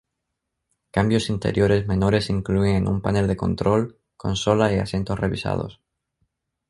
Cambios interiores menores incluían un panel de control, consola y asientos revisados.